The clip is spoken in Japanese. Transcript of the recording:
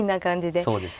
そうですね。